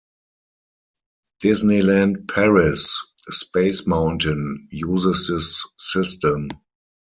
Disneyland Paris' Space Mountain uses this system.